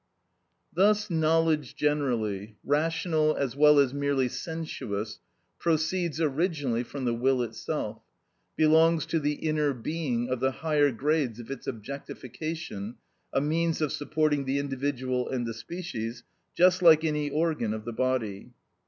Thus knowledge generally, rational as well as merely sensuous, proceeds originally from the will itself, belongs to the inner being of the higher grades of its objectification as a mere μηχανη, a means of supporting the individual and the species, just like any organ of the body.